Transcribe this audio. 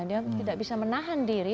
dia tidak bisa menahan diri